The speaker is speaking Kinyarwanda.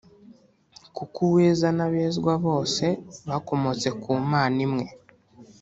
Kuko Uweza n’abezwa bose bakomotse ku Mana imwe